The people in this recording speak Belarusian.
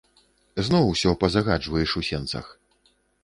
Зноў усё пазагаджваеш у сенцах.